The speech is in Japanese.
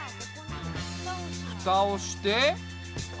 ふたをして。